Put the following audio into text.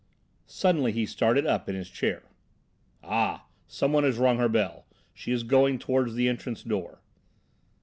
Suddenly he started up in his chair. "Ah! some one has rung her bell. She is going toward the entrance door."